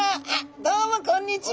どうもこんにちは！